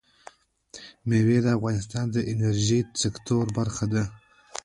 مېوې د افغانستان د انرژۍ سکتور برخه ده.